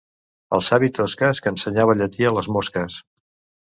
El savi Tosques, que ensenyava llatí a les mosques.